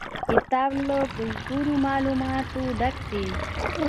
کتاب له ګټورو معلوماتو ډک دی.